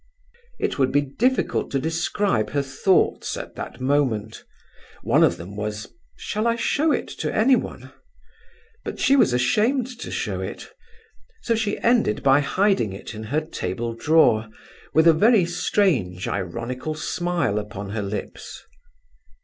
It would be difficult to describe her thoughts at that moment. One of them was, "Shall I show it to anyone?" But she was ashamed to show it. So she ended by hiding it in her table drawer, with a very strange, ironical smile upon her lips.